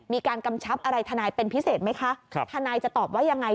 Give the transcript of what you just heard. กำชับอะไรทนายเป็นพิเศษไหมคะครับทนายจะตอบว่ายังไง